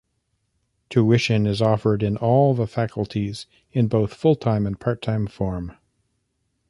Tuition is offered in all the faculties in both full-time and part-time form.